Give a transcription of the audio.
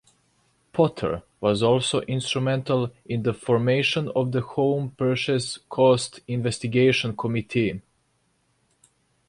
Potter was also instrumental in the formation of the Home Purchase Cost Investigation Committee.